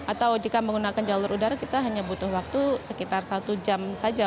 atau jika menggunakan jalur udara kita hanya butuh waktu sekitar satu jam saja